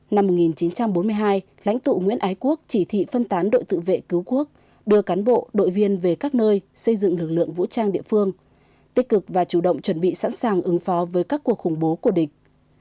năm một nghìn chín trăm bốn mươi hai lãnh tụ nguyễn ái quốc chỉ thị phân tán đội tự vệ cứu quốc đưa cán bộ đội viên về các nơi xây dựng lực lượng vũ trang địa phương tích cực và chủ động chuẩn bị sẵn sàng ứng phó với các cuộc khủng bố của địch